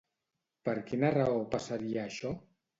Per quina raó passaria això?